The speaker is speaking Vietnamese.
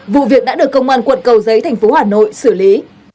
vụ việc đã được công an quận cầu giấy thành phố hà nội xử lý